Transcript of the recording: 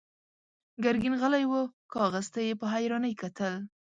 ګرګين غلی و، کاغذ ته يې په حيرانۍ کتل.